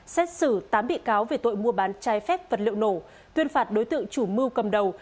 xét xử tám bị cáo về tội mua bán trái phép vật liệu nổ tuyên phạt đối tượng chủ mưu cầm đầu